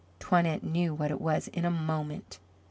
Toinette knew what it was in a moment.